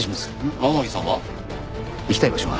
天樹さんは？行きたい場所が。